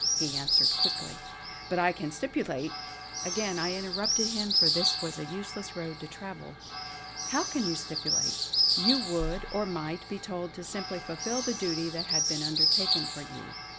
He answered quickly: "But I can stipulate " again I interrupted him for this was a useless road to travel; "How can you stipulate? You would, or might, be told to simply fulfill the duty that had been undertaken for you.